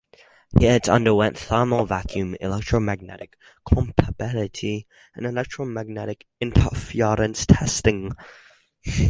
Here it underwent thermal vacuum, electromagnetic compatibility and electromagnetic interference testing.